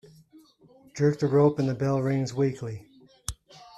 Jerk the rope and the bell rings weakly.